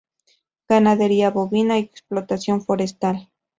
Ganadería bovina y explotación forestal.